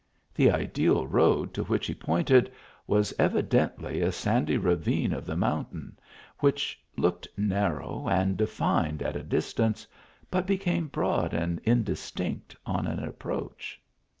The ideal road to which he pointed, was evidently a sandy ra vine of the mountain, which looked narrow and de fined at a distance, but became broad and indistinct on an approach.